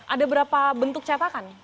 ada berapa bentuk cetakan